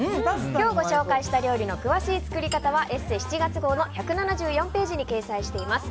今日ご紹介した料理の詳しい作り方は「ＥＳＳＥ」７月号の１７４ページに掲載しています。